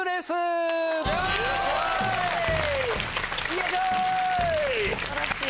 よいしょい！